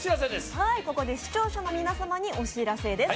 はい視聴者の皆様にお知らせです